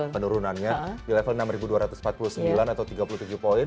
penurunannya di level enam dua ratus empat puluh sembilan atau tiga puluh tujuh poin